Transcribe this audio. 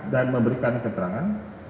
dan memberikan keterangan